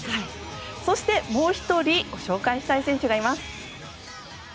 そして、もう１人ご紹介したい選手がいます。